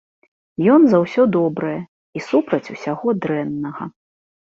Ён за ўсё добрае і супраць усяго дрэннага.